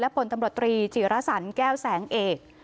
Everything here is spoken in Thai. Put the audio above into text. ผลตำรวจตรีจิรสันแก้วแสงเอก